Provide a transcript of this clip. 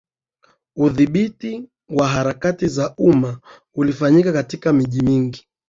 Udhibiti wa harakati za umma ulifanyika katika miji mingi